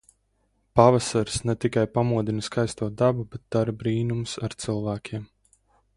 Pavasaris ne tikai pamodina skaisto dabu, bet dara brīnumus ar cilvēkiem.